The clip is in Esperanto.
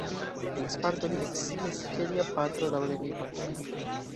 En Sparto li eksciis ke lia patro daŭre vivas.